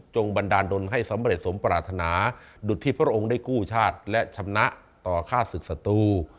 บันดาลดนให้สำเร็จสมปรารถนาดุดที่พระองค์ได้กู้ชาติและชำนะต่อค่าศึกศัตรู